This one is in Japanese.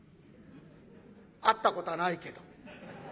会ったことはないけど。